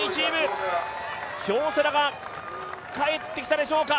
京セラが帰ってきたでしょうか。